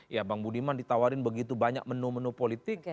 ya bang budiman ditawarin begitu banyak menu menu politik